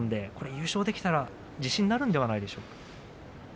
優勝したら自信になるんじゃないでしょうか。